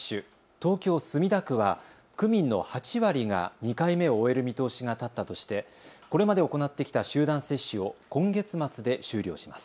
東京墨田区は区民の８割が２回目を終える見通しが立ったとしてこれまで行ってきた集団接種を今月末で終了します。